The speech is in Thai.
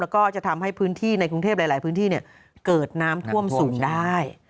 แล้วก็จะทำให้พื้นที่ในกรุงเทพหลายพื้นที่เกิดน้ำท่วมสูงได้